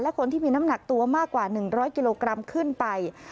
และคนที่มีน้ำหนักตัวมากกว่า๑๐๐กิโลกรัมขึ้นไป